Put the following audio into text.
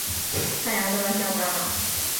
太阳都要下山了